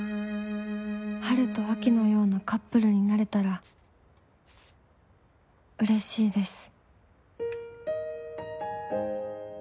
ハルとアキのようなカップルになれたら嬉しいです」。